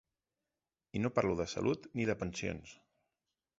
I no parlo de salut, ni de pensions.